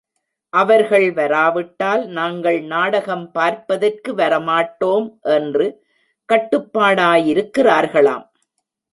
அவர்கள் வராவிட்டால் நாங்கள் நாடகம் பார்ப்பதற்கு வரமாட்டோம் என்று கட்டுப்பாடாயிருக்கிறார்களாம்.